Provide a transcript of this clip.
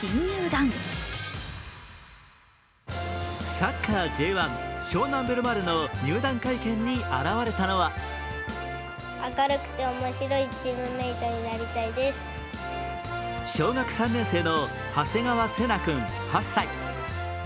サッカーＪ１、湘南ベルマーレの入団会見に現れたのは小学３年生の長谷川惺南君８歳。